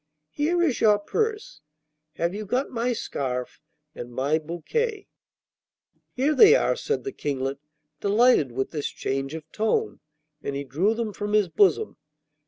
Here is your purse. Have you got my scarf and my bouquet?' 'Here they are,' said the Kinglet, delighted with this change of tone, and he drew them from his bosom.